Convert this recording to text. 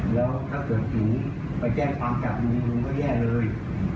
แล้วถ้าเกิดหนูไปแจ้งความจัดลุงลุงก็แย่เลย